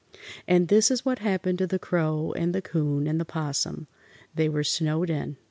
And this is what happened to the Crow and the 'Coon and the 'Possum. They were snowed in!